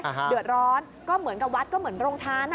เดือดร้อนก็เหมือนกับวัดก็เหมือนโรงทานอ่ะ